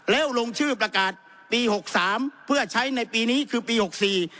แล้วลงชื่อประกาศปีหกสามเพื่อใช้ในปีนี้คือปีหกสี่